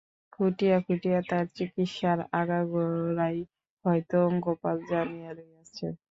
খুঁটিয়া খুঁটিয়া তার চিকিৎসার আগাগোড়াই হয়তো গোপাল জানিয়া লইয়াছে।